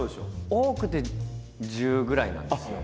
多くて１０ぐらいなんですよ。